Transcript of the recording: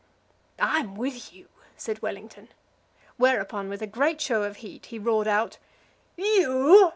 "I'm with you," said Wellington. Whereupon, with a great show of heat, he roared out, "You?